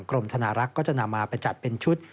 กรมธนารักษ์ก็จะนำมาไปจัดเป็นชุด